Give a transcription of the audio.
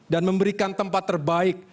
dan memberikan tempat terbaik